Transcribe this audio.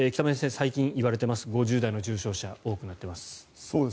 最近言われている５０代の重症者が多くなっています。